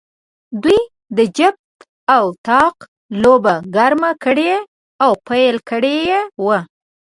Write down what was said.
دوی د جفت او طاق لوبه ګرمه کړې او پیل کړې وه.